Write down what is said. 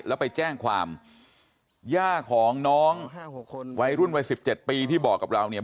แล้วไปแจ้งความย่าของน้องวัยรุ่นวัยสิบเจ็ดปีที่บอกกับเราเนี่ย